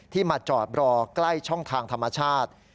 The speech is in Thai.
มาจอดรอใกล้ช่องทางธรรมชาติ